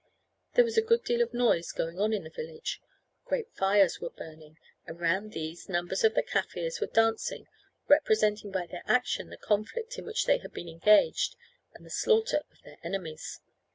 There was a good deal of noise going on in the village; great fires were burning, and round these numbers of the Kaffirs were dancing, representing by their action the conflict in which they had been engaged, and the slaughter of their enemies.